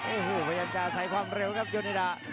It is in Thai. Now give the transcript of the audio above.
โอ้โหพยายามจะใส่ความเร็วครับโยนิดา